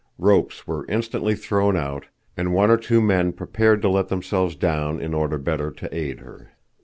Ropes were instantly thrown out, and one or two men prepared to let themselves down in order better to aid her.